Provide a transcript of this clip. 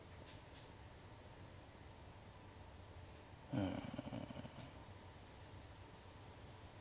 うん。